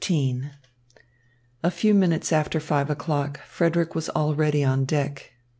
XV A few minutes after five o'clock Frederick was already on deck.